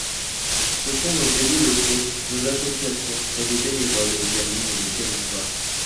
Ce sont nos élus locaux, nos associations et nos bénévoles qui animent le territoire.